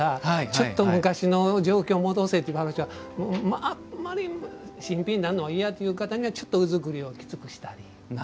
ちょっと昔の状況に戻せという話あんまり新品になるのは嫌という方にはちょっと浮造りをきつくしたり。